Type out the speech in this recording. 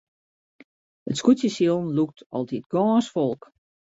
It skûtsjesilen lûkt altyd gâns folk.